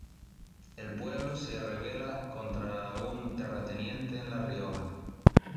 El pueblo se rebela contra un terrateniente en La Rioja.